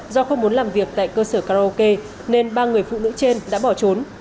do không muốn làm việc tại cơ sở karaoke nên ba người phụ nữ trên đã bỏ trốn